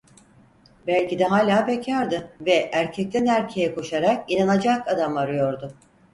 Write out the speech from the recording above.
Belki de hâlâ bekârdı ve erkekten erkeğe koşarak, "inanacak adam" arıyordu.